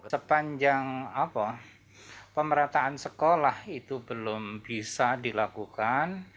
sepanjang pemerataan sekolah itu belum bisa dilakukan